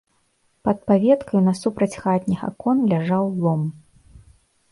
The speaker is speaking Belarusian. Пад паветкаю насупраць хатніх акон ляжаў лом.